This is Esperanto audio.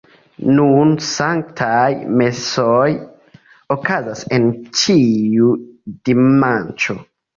Nun sanktaj mesoj okazas en ĉiu dimanĉo.